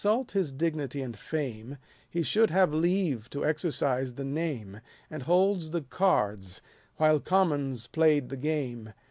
Yet, to consult his dignity and fame, He should have leave to exercise the name, And hold the cards, while commons play'd the game.